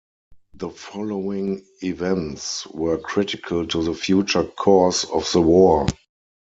The following events were critical to the future course of the war.